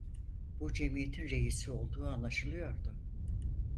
Bu cemiyetin reisi olduğu anlaşılıyordu.